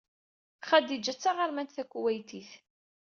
Xadiǧa d taɣermant takuweytit.